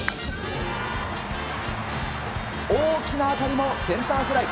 大きな当たりもセンターフライ。